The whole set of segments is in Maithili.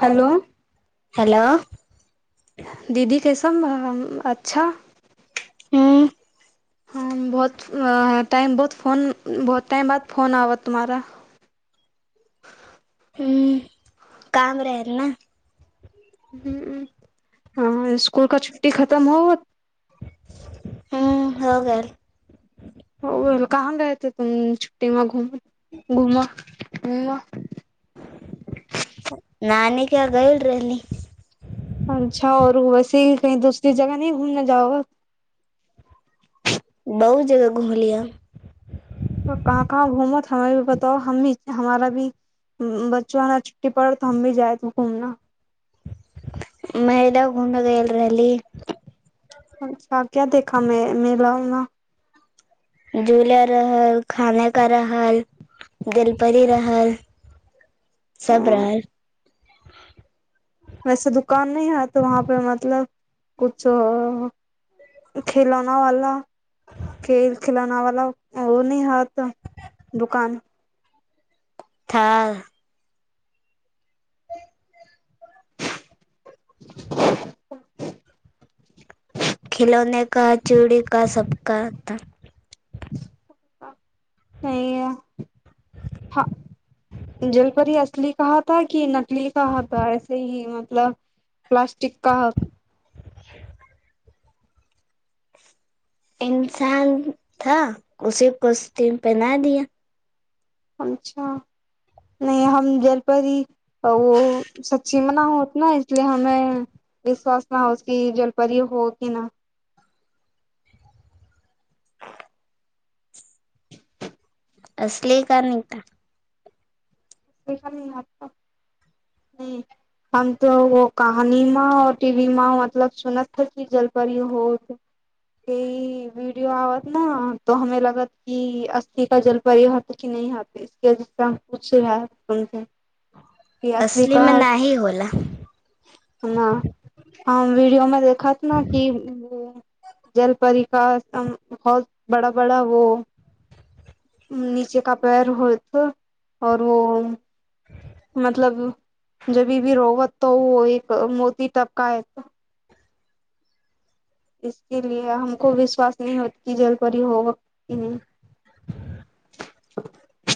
हेलो हेलो दीदी कैसन अच्छा हँ हँ बहुत टाइम बहुत फोन बहुत टाइम बाद फोन आवा तुम्हारा हं काम रहे ना हं इसकुल का छुटी खतम होवत हूँ हो गेल ओ कहाँ गए थे तुम छुट्टी में घूम घूम घूम नानी कऽ गैल रहली अच्छा और वैसे कही दूसरी जगह नहि घूमने जाओगे बहुत जगह घुमलियैन त कहाँ कहाँ घूमो तऽ हमरा भी बताओ हम भी हमारा भी बच्चा छुट्टी पड़त तऽ हम भी जाय घूमना मैदा घुम गेल रहली अच्छा क्या देखा मे मेेला ओना झूल रहल खाने का रहल जलपरी रहल सब उला रहल वैसे दुकान नहि हय तऽ वहाँ पे मतलब कुछो खेलौना वाला खेल खिलौना वाला ओ न ह त दुकान था [inaudible] [inaudible] खिलौने का चूड़ी का सबका था [inaudible] जलपरी असली कहाथा कि नकली कहाथा ऐसे ही मतलब प्लास्टिक का हक [inaudible] इन्सान था उसी कॉस्ट्यूम पेहना दिया अच्छा, नै हम जलपरी ओ सच्ची मना होत ने इस्लिये हमे विश्वास न होस कि जलपरी हो कि न। असली का नहि देखली ह कि हम तो ओ कहानी म टिवी म मतलब सुनत जल पर होत क वीडियो आबत ने तऽ हमे लगत कि असलि का जलपरी रहत [unintelligible] कि असली का में नाही होला हम वीडियो मे देखत ने कि जलपरि का एकदम बहुत बड़ा बड़ा वो नीचे का पैर होत ओर वो मतलब जबी भी रोब तऽ ओ एक मोती तबका ह इस्लिए हमको विश्वास नहि होत कि जल परी हो कि नहि।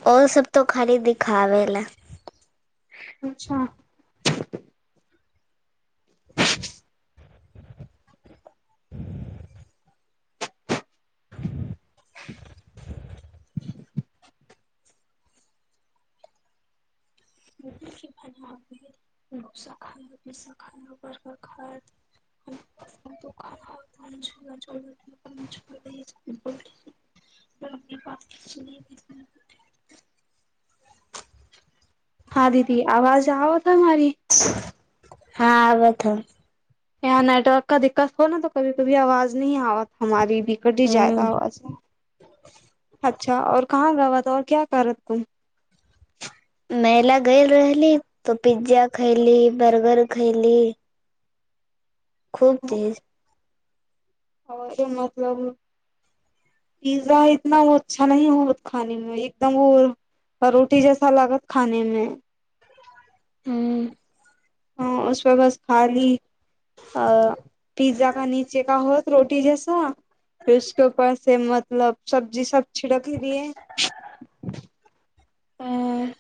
ओर सभ तो खाली दिखाब लए अच्छा। ह [inaudible] भलास खाया खाया [unintelligible] खायत [unintelligible] अपने पास ह दीदी आवाज आब तऽ हमारी हँ आबत है यहाँ नेटवर्क कभी दिक्कत हो ने तऽ कभी कभी आवाज नहि आवत हमार भी कटी जाय हम्म त आवाज अच्छा और कहाँ गवा तऔर क्या कर तु मेला गेल रहली तो पिज्जा खैली बर्गर खैली खूब तेज। ओ मतलब पिज्जा इतना अच्छा नहि खाने मे एकदम ओ आ रोटी जैसा लागत खानेमे हूँ। ह, उसमे बस खाली औ पिज्जा का नीचे होत रोटी जैसा इसके उसके ऊपर से मतलब सब्जी सभ छिड़क दियै ह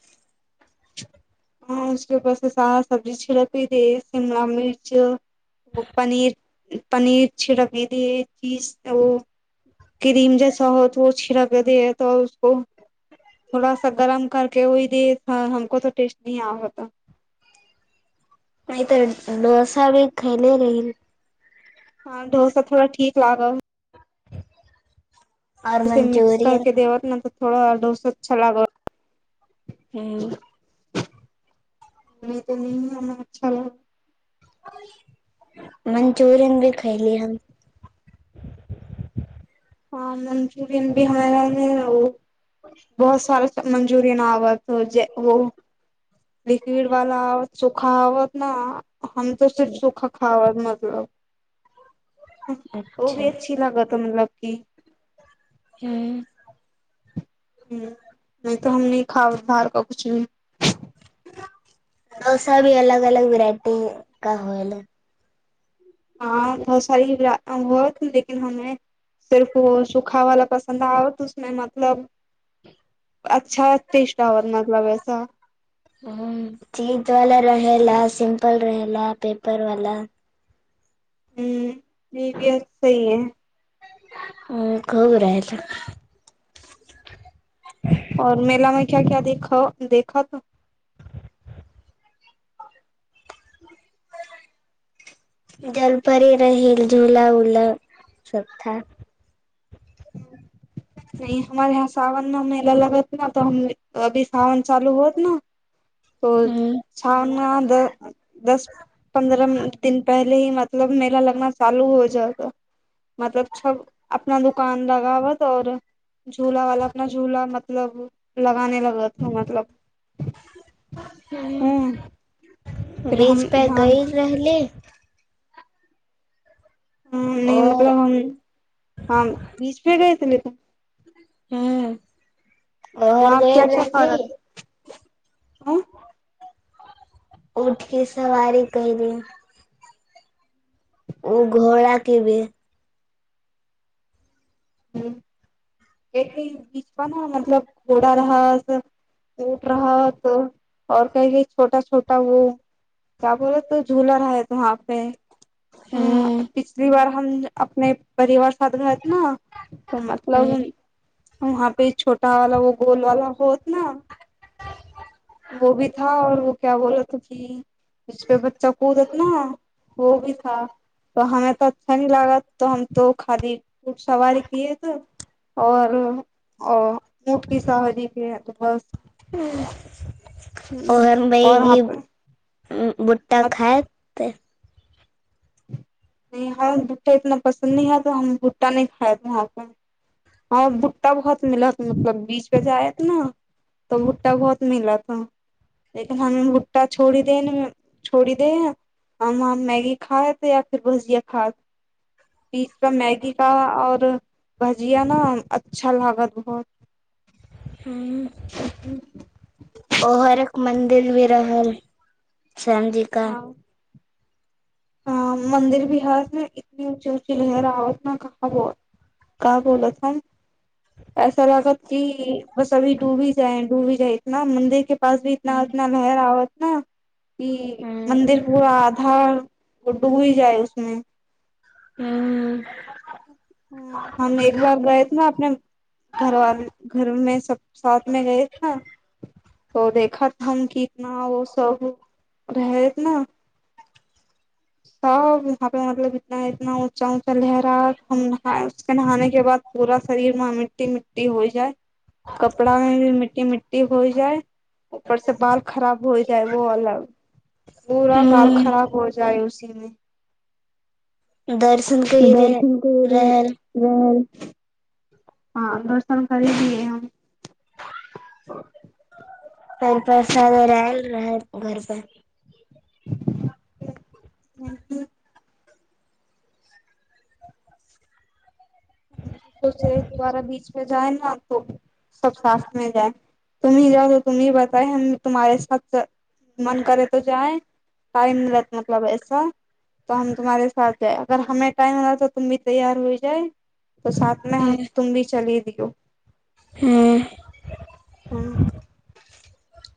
हँ उसके बास से सारा सब्जी छिड़की देव शिमला मिर्च ओ पनीर पनीर छिड़की दै चीज आ क्रीम जैसा होत वो छिड़क कर देत उसको थोड़ा सा गरम करके ओहि द हमकोऽ टेस्ट नहीं आबत नहि तऽ नस भी खइल रै ह ढोसा थोड़ा ठीक लागल और जे मिक्स मंचूरियन करके देबत न तऽ थोड़ा डोस अच्छा लागल नहि। तऽ नहि हमरा अच्छा लाग मचुरियन भी खयली हम ह मचूरियन भी हमरा लागे रहै बहुत सारा मंचूरियन आबत तजेऽ हो जे वो लिक्विड वाला आबत सूखा बत न हम तो सिर्फ सूखा खावत मतलब ओ अच्छा भी अच्छी लागतनी मतलब कि ह ह नहि तऽ हम नहि खाब बाहर का कुछ भी डोसा भी अलग अलग वेराइटी का होल ह बहुत सारी बहुत लेकिन हमे सिर्फ सूखा पसन्द आबत उसमेमतलब अच्छा आत मतलबैस [unintelligible] हूँ चीज वाला रहेला सिम्पल रहेला पेपर वाला हूँ [unintelligible] भी सस सही है ओ कबराति और मेला मे क्या क्या देखा देखतऽह जल परे रहिए झूला उला सबथा ह [unintelligible] नहि हमारे यहाँ सावन म मेल लगत न तऽ हम अभी सावन चालू होत न [inaudible] तो हम्म [inaudible] छानादर [unintelligible] मतलब छब अपना दुकान लगावत और झूला वाला अपना झूला मतलब लगे लगा मतलब ह फिर हम बीचपे यहाँ गई रहली नहि और मतलब हम बीचपे गए छल हूँ। आँ का करत। उठ सवारी कली ओ घोडा के बीच पर नहि मतलब घोड़ रास ऊट रहत और कई कही छोटा छोटा ओ। कह बोलो तो झूला रहै त वहाँ पे ह पिछली बार हम अपने परिवार साथ रहैथ न त मतलब वहाँ पे छोटा वाला वो गोल वाला होत न [unintelligible] जिसपे बच्चा कूदत नै व भी था त हमे तो अच्छ न लागत तो हम तो खाली [unintelligible] सवारी [unintelligible] ओ हम्म, हम और बह वहाँ कि पे भुट्टा मत खात। नहि हम भुट्टा इतना पसन्द, नहि हम भुट्टा नहि खाये वहाँ पर। हँ, बुट्टा बहुत मिलत मतलब बीचपे जायत ने त भुट्टा बहुत मिल लेकिन हमे भुट्टा छोड़ी देन छोड़ी दे है हम मैगी खा हेतै फर भजिया खाद पीज कऽ मैगी का आऔर भजिया ने अच्छा लागत बहुत। हू। ओ हरेक मंदिर भी रहल सजी हँ। मंन्दिर बिहारमे इतनी ऊँची ऊँची लै रावत ने कहाँ बहुत बोलत ह। ऐसा लागत कि बस अभी डूबी जाए डूबी जाए इतना मन्दिर के ह [unintelligible] ई मंन्दिर पूरा आधा डूबी जाइ छ [unintelligible] [unintelligible] घरव घरमे सब साथ में गए थे तो देखत हम कितना ओ [inaudible] सब रहत ने सब वहाँ पे मतलब इतना ह इतना ऊँचा ऊचा लहरा हम ख उसके नहाने के बाद पूरा शरीर व मिट्टी मिट्टी हो जाए कपड़ा में भी मिट्टी मिट्टी हो जाइ ऊपर से बाल खराब हो जाए वो अलग [inaudible] पूरा बाल खराब हो जा [inaudible] दर्शन कई उीमे रहे दर्ख रहल [unintelligible] हँ दर्शन कर दिये हम पान प्रसाद आयल रहै घर पर [inaudible] सोच रह दुोबारा बीच प जाए न सब साथ मे गए [unintelligible] तुम्ही जाए त तुमही बताए हम तुम्हहारे साथ मन करे तो जाय टाइम म रहत मतलब ऐसा त हम तुम्हारे साथ जाए अगर हमे टाइम रह तुम भी तैयार होइ जाए त साथमे तुम भी चली दियौ ह ह [inaudible]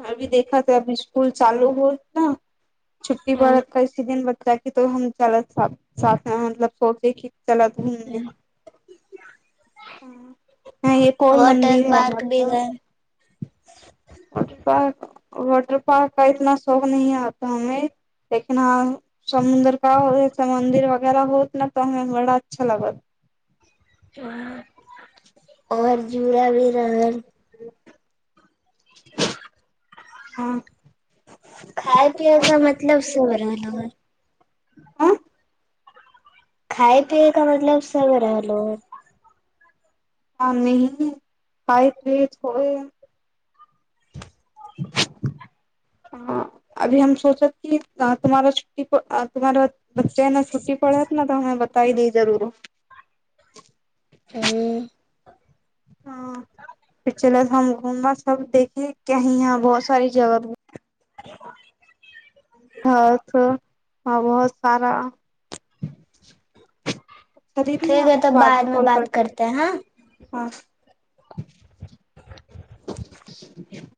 अभी देखा त अभी स्कूल चालू होत न छुट्टी पड़ा कैसी दिन बच्चा क तो हम च सा मतलब सोचे क चल घूमने [inaudible] आइ ए कोन वाटर मन्दिर है पार्क भी गए वटर पार्क वाटर पार्क क इतना शौक न आता हमे देखना समुद्र क हो मंन्दिर वगैरह होत न त हमे बड़ा अच्छा लागत [unintelligible] और जुड़ा भी रहल [inaudible] हँ खाय पियए का मतलब सब बर ल खाइ पियएै क मतलब सब रहलो [unintelligible] [unintelligible] ह अभी हम सोचत की तुम्हारा छुट्टी अ तुम्हारा बच्चे न छुट्टी पड़ैत ने तऽ हम बताइ दी जरुर [unintelligible] ह [unintelligible] हम घूमब सब देखे की यहाँ बहुत सार जगह ह तो आ बहुत सारा [inaudible] अच्छ दीदी में ठीक है आपको तब बादमे बाद में कॉल बात करती करते हैं हाँ। हु [inaudible]